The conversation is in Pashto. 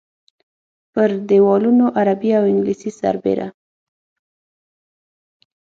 پر دیوالونو عربي او انګلیسي سربېره.